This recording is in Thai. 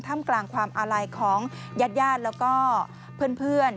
ท่ำกลางความอะลายของอยาดแล้วก็เพื่อน